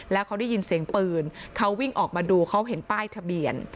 แล้วเขาได้ยินเสียงปืนเขาวิ่งออกมาดูเขาเห็นป้ายทะเบียน